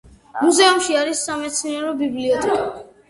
მუზეუმში არის სამეცნიერო ბიბლიოთეკა.